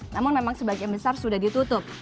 namun memang sebagian besar sudah ditutup